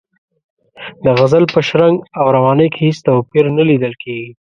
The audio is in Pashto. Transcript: د غزل په شرنګ او روانۍ کې هېڅ توپیر نه لیدل کیږي.